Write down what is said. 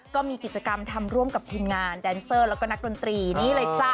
ก็มีกิจกรรมทำร่วมกับทีมงานแดนเซอร์แล้วก็นักดนตรีนี่เลยจ้ะ